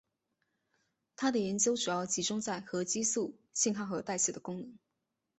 他的研究主要集中在核激素信号和代谢的功能。